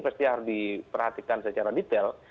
pasti harus diperhatikan secara detail